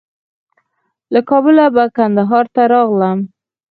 له کابله به کندهار ته راغلم.